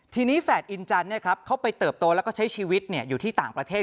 ทีนี้แฝดอินจันทร์เขาไปเติบโตแล้วก็ใช้ชีวิตอยู่ที่ต่างประเทศ